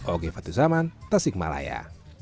oke fatih zaman tasik kemalaya